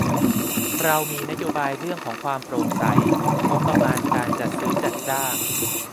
เรามีนโยบายเรื่องของความโปร่งใส งบประมาณการจัดซื้อจัดจ้าง